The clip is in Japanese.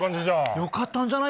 良かったんじゃない？